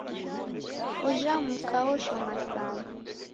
Ujha mka oshoma sana.